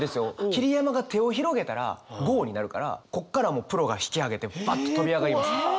桐山が手を広げたらゴーになるからここからもうプロが引き上げてバッと飛び上がりました。